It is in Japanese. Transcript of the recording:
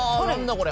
これ。